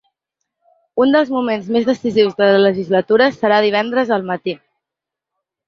Un dels moments més decisius de la legislatura serà divendres al matí.